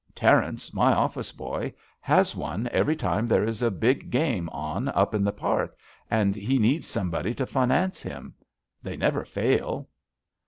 Terence, my office boy, has one every time there is a big game on up at the park, and he needs somebody to finance him. They never fail."